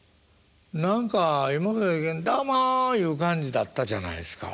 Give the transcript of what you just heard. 何か今までの芸人「どうも」いう感じだったじゃないですか。